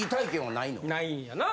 ないんやな？